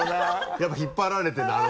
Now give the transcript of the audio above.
やっぱ引っ張られてるんだ。